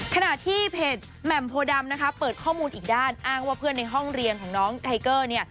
ขณะที่เพจแหม่มโพดำนะคะเปิดข้อมูลอีกด้านอ้างว่าเพื่อนในห้องเรียนของน้องไทเกอร์เนี่ย